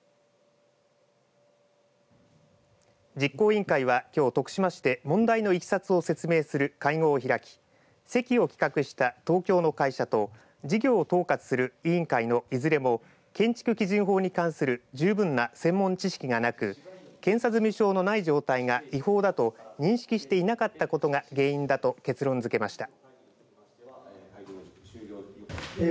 実行委員会はきょう徳島市で問題のいきさつを説明する会合を開き席を企画した東京の会社と事業を統括する委員会のいずれも建築基準法に関する十分な専門知識がなく検査済証のない状態が違法だと認識していなかったことが原因だと結論付けました。